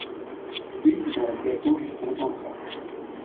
Puis l'oncle Augustin entra.